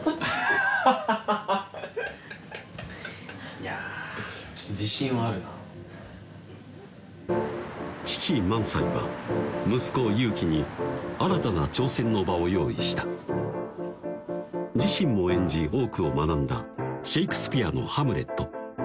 いやちょっと自信はあるな父・萬斎は息子・裕基に新たな挑戦の場を用意した自身も演じ多くを学んだシェイクスピアの「ハムレット」